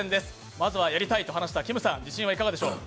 まずはやりたいとはなしたきむさん、自信はいかがでしょう？